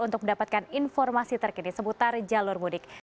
untuk mendapatkan informasi terkini seputar jalur mudik